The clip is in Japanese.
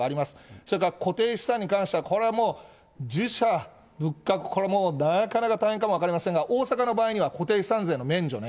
それから固定資産に関しては、これはもう、寺社仏閣、これ、なかなか大変かも分かりませんが、大阪の場合には、固定資産税の免除ね。